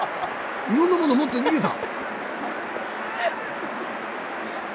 いろんなものを持って逃げた！